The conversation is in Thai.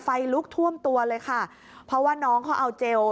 ไฟลุกท่วมตัวเลยค่ะเพราะว่าน้องเขาเอาเจล